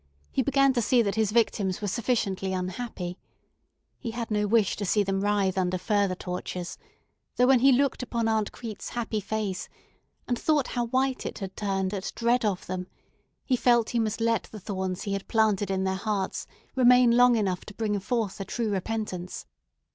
He began to see that his victims were sufficiently unhappy. He had no wish to see them writhe under further tortures, though when he looked upon Aunt Crete's happy face, and thought how white it had turned at dread of them, he felt he must let the thorns he had planted in their hearts remain long enough to bring forth a true repentance.